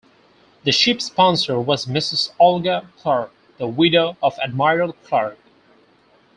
The Ship sponsor was Mrs. Olga Clark, the widow of Admiral Clark.